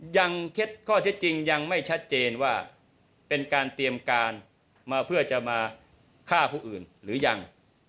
เคล็ดข้อเท็จจริงยังไม่ชัดเจนว่าเป็นการเตรียมการมาเพื่อจะมาฆ่าผู้อื่นหรือยัง